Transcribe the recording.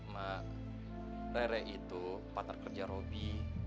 mak rere itu partner kerja roby